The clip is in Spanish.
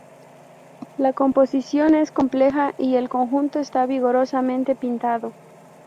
La composición es compleja y el conjunto está vigorosamente pintado.